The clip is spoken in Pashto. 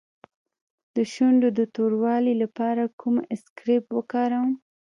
د شونډو د توروالي لپاره کوم اسکراب وکاروم؟